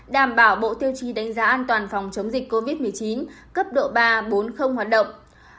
đảm bảo bộ tiêu chí đánh giá an toàn phòng chống dịch covid một mươi chín cấp độ ba bốn hoạt động